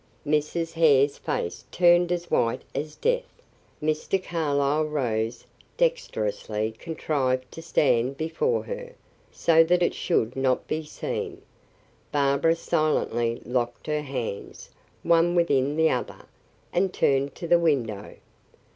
Mrs. Hare's face turned as white as death; Mr. Carlyle rose and dexterously contrived to stand before her, so that it should not be seen. Barbara silently locked her hands, one within the other, and turned to the window.